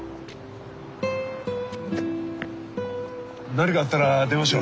何かあったら電話しろ。